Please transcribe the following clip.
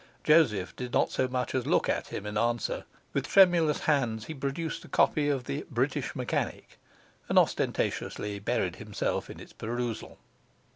Joseph did not so much as look at him in answer; with tremulous hands he produced a copy of the British Mechanic, and ostentatiously buried himself in its perusal.